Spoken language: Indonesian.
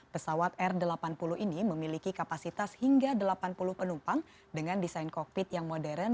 pesawat r delapan puluh ini memiliki kapasitas hingga delapan puluh penumpang dengan desain kokpit yang modern